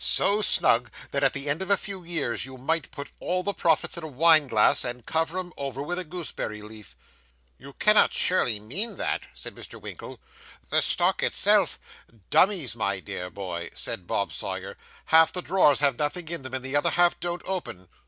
'So snug, that at the end of a few years you might put all the profits in a wine glass, and cover 'em over with a gooseberry leaf.' You cannot surely mean that?' said Mr. Winkle. 'The stock itself ' Dummies, my dear boy,' said Bob Sawyer; 'half the drawers have nothing in 'em, and the other half don't open.